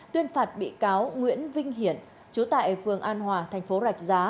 tuyên phạt bị cáo nguyễn vinh hiển chú tại phường an hòa thành phố rạch giá